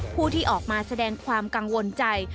ผู้ที่ออกมาแสดงความกังวลใจ